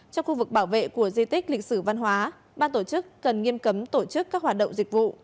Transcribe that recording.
trong khu vực bảo vệ của di tích lịch sử văn hóa ban tổ chức cần nghiêm cấm tổ chức các hoạt động dịch vụ